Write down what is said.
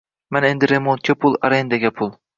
Ana endi remontga pul, arendaga pul